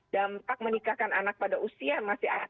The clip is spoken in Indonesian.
dampak menikahkan anak pada usia masih